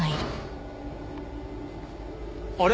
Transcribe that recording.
あれ？